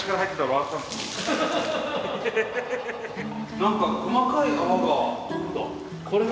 何か細かい泡が。